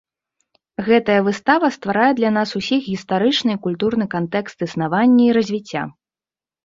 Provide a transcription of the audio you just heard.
Гэтая выстава стварае для нас усіх гістарычны і культурны кантэкст існавання і развіцця.